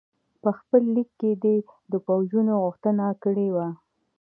په خپل لیک کې دې د پوځونو غوښتنه کړې وه.